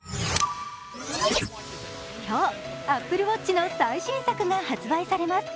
今日、ＡｐｐｌｅＷａｔｃｈの最新作が発売されます。